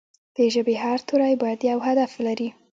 د ژبې هر توری باید یو هدف ولري.